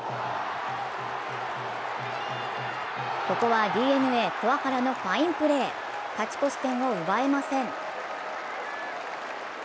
ここはＤｅＮＡ・桑原のファインプレー勝ち越し点を奪えません。